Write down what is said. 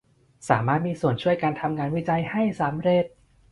สามารถมีส่วนช่วยกันทำงานวิจัยให้สำเร็จ